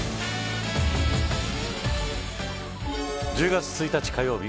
１０月１日火曜日